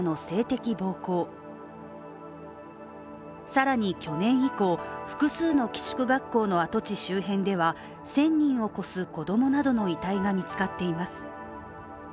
さらに去年以降、複数の寄宿学校の跡地周辺では１０００人を超す子供などの遺体が見つかっています。